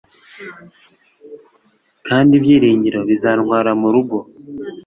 kandi ibyiringiro bizantwara murugo